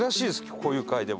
こういう回でも。